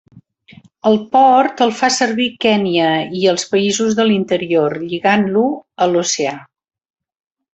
El port el fa servir Kenya i els països de l'interior, lligant-lo a l'oceà.